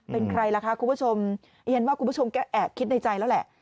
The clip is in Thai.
เป็นใครล่ะคะคุณผู้ชมเรียนว่าคุณผู้ชมก็แอบคิดในใจแล้วแหละ